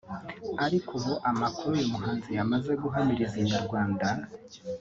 ariko ubu amakuru uyu muhanzi yamaze guhamiriza Inyarwanda